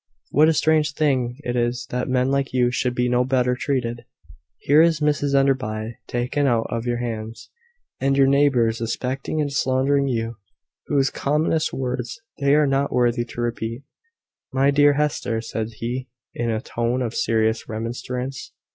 "What a strange thing it is that men like you should be no better treated! Here is Mrs Enderby taken out of your hands, and your neighbours suspecting and slandering you, whose commonest words they are not worthy to repeat." "My dear Hester!" said he, in a tone of serious remonstrance.